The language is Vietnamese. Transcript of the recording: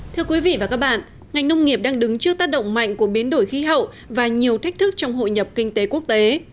thưa quý vị và các bạn ngành nông nghiệp đang đứng trước tác động mạnh của biến đổi khí hậu và nhiều thách thức trong hội nhập kinh tế quốc tế